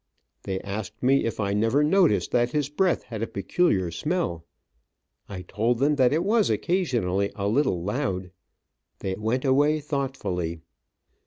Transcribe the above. They asked me if I never noticed that his breath had a peculiar smell. I told them that it was occasionally a little loud. They went away thoughtfully.